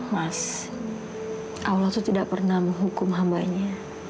mas allah itu tidak pernah menghukum hambanya